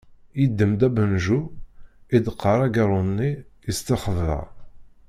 Yedem-d abanju, iḍeqqer agaṛṛu-nni, yestexber.